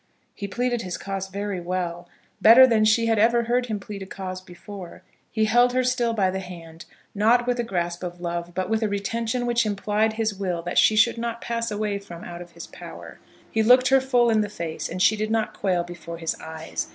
He pleaded his cause very well, better than she had ever heard him plead a cause before. He held her still by the hand, not with a grasp of love, but with a retention which implied his will that she should not pass away from out of his power. He looked her full in the face, and she did not quail before his eyes.